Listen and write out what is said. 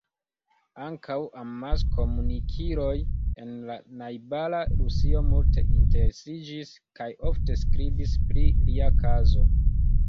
Ankaŭ amaskomunikiloj en la najbara Rusio multe interesiĝis kaj ofte skribis pri lia kazo.